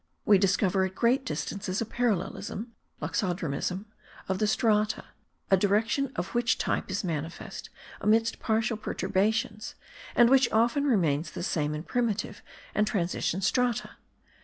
We discover at great distances a parallelism (loxodromism) of the strata, a direction of which the type is manifest amidst partial perturbations and which often remains the same in primitive and transition strata.